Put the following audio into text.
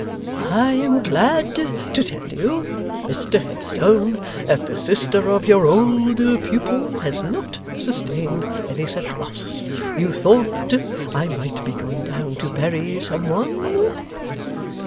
'I am glad to tell you, Mr Headstone, that the sister of your old pupil has not sustained any such loss. You thought I might be going down to bury some one?